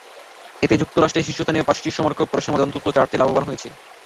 এতে যুক্তরাষ্ট্রের শীর্ষস্থানীয় পাঁচটি সমর করপোরেশনের মধ্যে অন্তত চারটি লাভবান হয়েছে।